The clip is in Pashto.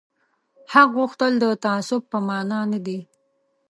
حق غوښتل د تعصب په مانا نه دي